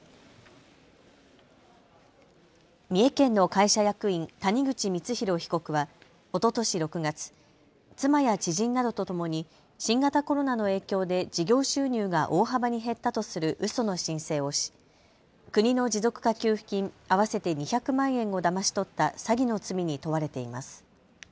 三重県の会社役員、谷口光弘被告はおととし６月、妻や知人などとともに新型コロナの影響で事業収入が大幅に減ったとするうその申請をし国の持続化給付金合わせて２００万円をだまし取った詐欺の罪に問われています。